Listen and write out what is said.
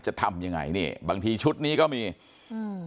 จะทำยังไงนี่บางทีชุดนี้ก็มีอืม